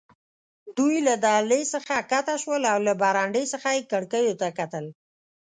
دوی له دهلېز څخه کښته شول او له برنډې څخه یې کړکیو ته کتل.